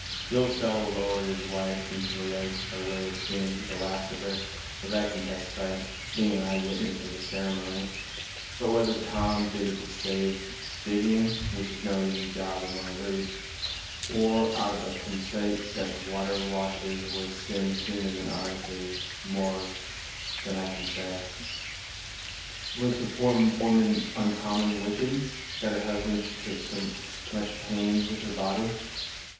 The old fellow lowered his wife into the lake, by way of seeing the last of her, as I can testify, being an eye witness of the ceremony; but whether Tom did it to save digging, which is no easy job among roots, or out of a consait that water washes away sin sooner than 'arth, is more than I can say." "Was the poor woman oncommon wicked, that her husband should take so much pains with her body?"